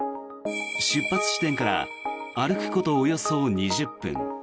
出発地点から歩くことおよそ２０分。